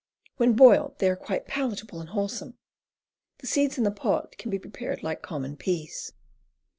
When boiled they are quite palatable and wholesome. The seeds in the pod can be prepared like common peas.